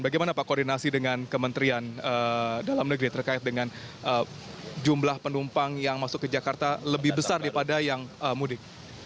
bagaimana pak koordinasi dengan kementerian dalam negeri terkait dengan jumlah penumpang yang masuk ke jakarta lebih besar daripada yang mudik